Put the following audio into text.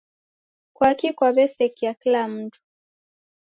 Kwaki kwaw'esekia kila mundu?